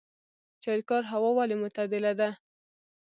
چاریکار هوا ولې معتدله ده؟